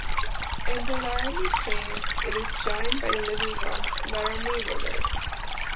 In the Laramie Plains it is joined by the Little Laramie River.